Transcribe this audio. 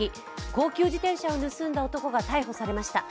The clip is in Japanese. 高級自転車を盗んだ男が逮捕されました。